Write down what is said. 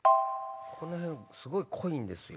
このへんすごい濃いんですよ。